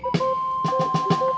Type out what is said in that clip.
saya juga ngantuk